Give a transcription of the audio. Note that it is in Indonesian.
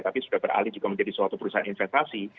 tapi sudah beralih juga menjadi suatu perusahaan investasi